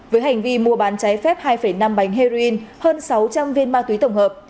với hành vi mua bán trái phép hai năm bánh heroin hơn sáu trăm linh viên ma túy tổng hợp